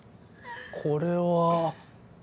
これは。